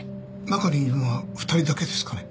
中にいるのは２人だけですかね？